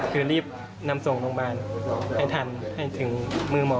คือรีบนำส่งโรงพยาบาลให้ทันให้ถึงมือหมอ